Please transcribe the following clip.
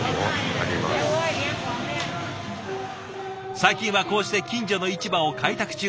最近はこうして近所の市場を開拓中。